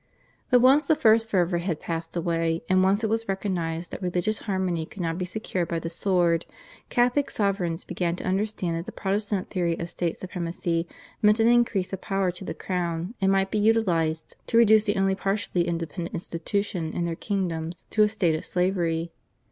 But once the first fervour had passed away, and once it was recognised that religious harmony could not be secured by the sword, Catholic sovereigns began to understand that the Protestant theory of state supremacy meant an increase of power to the crown, and might be utilised to reduce the only partially independent institution in their kingdoms to a state of slavery.